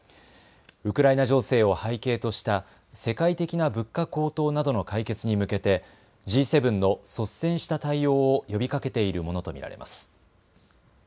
ウクライナ情勢を背景とした世界的な物価高騰などの解決に向けてＧ７の率先した対応を呼びかけているものと見られます。